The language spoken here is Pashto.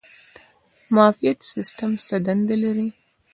د معافیت سیستم څه دنده لري؟